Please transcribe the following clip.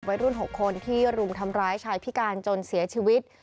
วัยรุ่น๖คนที่รุมทำร้ายชายพิการจนเสียชีวิต